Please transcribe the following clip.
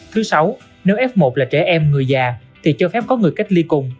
thứ sáu nếu f một là trẻ em người già thì cho phép có người cách ly cùng